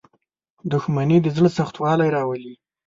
• دښمني د زړه سختوالی راولي.